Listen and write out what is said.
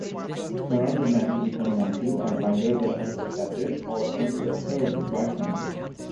Around the man to become Matthew are either the unperceptive or unperturbed bystanders.